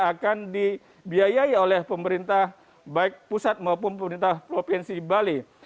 akan dibiayai oleh pemerintah baik pusat maupun pemerintah provinsi bali